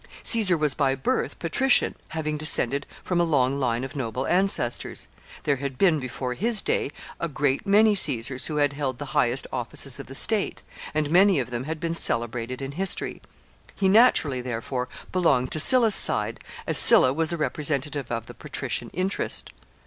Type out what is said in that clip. Caesar was, by birth, patrician, having descended from a long line of noble ancestors. There had been, before his day, a great many Caesars who had held the highest offices of the state, and many of them had been celebrated in history. He naturally, therefore, belonged to Sylla's side, as Sylla was the representative of the patrician interest.